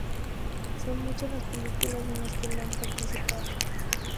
Son muchas las películas en las que ha participado.